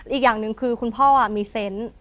อีกอย่างหนึ่งคือคุณพ่อมีเซนต์